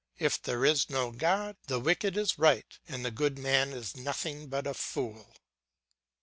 If there is no God, the wicked is right and the good man is nothing but a fool.